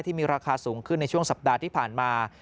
ที่มีราคาสูงขึ้นในช่วงสัปดาห์ที่ผ่านมา